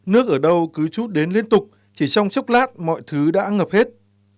nước ở đâu cứ chút đến liên tục chỉ trong chốc lát mọi thứ đã ngập hết